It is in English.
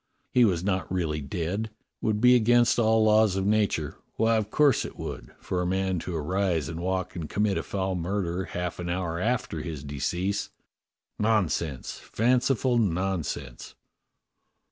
He was not really dead. It would be against all laws of nature — why, of course it would — for a man to arise and walk and commit a foul murder half an hour after his decease! Nonsense, fanciful nonsense!"